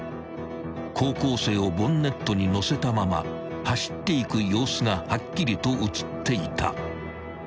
［高校生をボンネットにのせたまま走っていく様子がはっきりと写っていた］